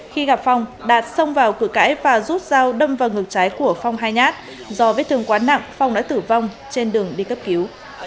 khi gặp phong đạt xông vào cửa cãi và rút dao đâm vào ngực trái của phong hai nhát do vết thương quá nặng phong đã tử vong trên đường đi cấp cứu